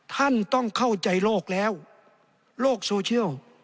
ท่านต้องเข้าใจโลกแล้วโลกโซเชียล